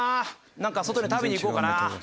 なんか外に食べに行こうかな。